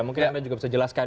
mungkin anda juga bisa jelaskan